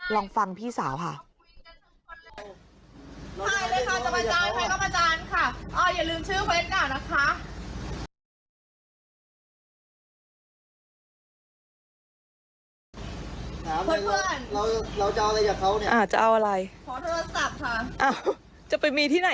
ลองฟังพี่สาวค่ะ